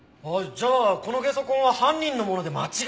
じゃあこのゲソ痕は犯人のもので間違いないね。